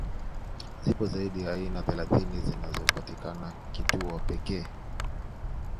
Zipo zaidi ya aina thelathini zinazopatikana Kitulo pekee